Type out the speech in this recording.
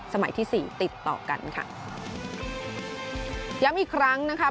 สมัยที่สี่ติดต่อกันค่ะย้ำอีกครั้งนะคะ